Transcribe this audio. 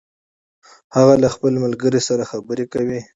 هغه له خپل ملګري سره خبرې کوي